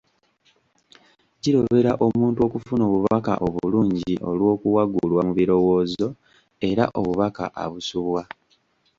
Kirobera omuntu okufuna obubaka obulungi olw’okuwagulwa mu birowoozo, era obubaka abusubwa .